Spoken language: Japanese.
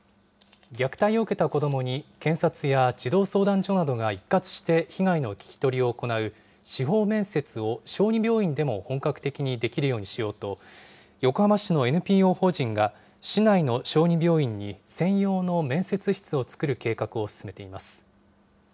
虐待を受けた子どもに、検察や児童相談所などが一括して被害の聴き取りを行う、司法面接を小児病院でも本格的にできるようにしようと、横浜市のＮＰＯ法人が、市内の小児病院に専用の面接室を作る計画を進めています。